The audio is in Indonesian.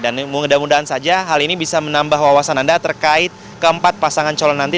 dan mudah mudahan saja hal ini bisa menambah wawasan anda terkait keempat pasangan calon nanti